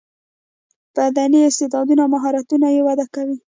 بدني استعداونه او مهارتونه یې وده کوي.